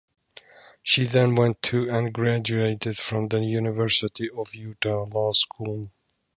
She then went to and graduated from the University of Utah Law School.